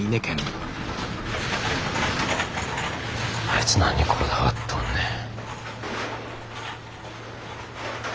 あいつ何をこだわっとんねん。